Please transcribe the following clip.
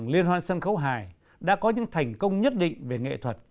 liên hoan sân khấu hài đã có những thành công nhất định về nghệ thuật